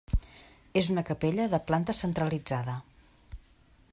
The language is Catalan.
És una capella de planta centralitzada.